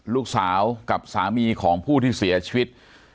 ลูกสาวกับสามีของผู้ที่เสียชีวิต